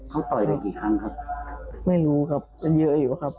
เขาต่อยได้กี่ครั้งครับไม่รู้ครับมันเยอะอยู่ครับ